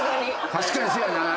確かにせやな。